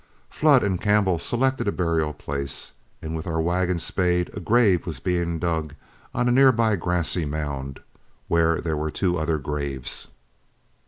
Flood and Campbell selected a burial place, and with our wagon spade a grave was being dug on a near by grassy mound, where there were two other graves.